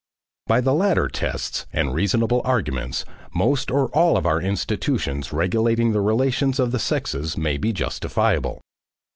By the latter tests and reasonable arguments most or all of our institutions regulating the relations of the sexes may be justifiable.